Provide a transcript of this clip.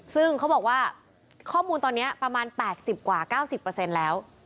ซึ่งเขาบอกว่าข้อมูลตอนนี้ประมาณ๘๐กว่า๙๐เปอร์เซ็นต์แล้ว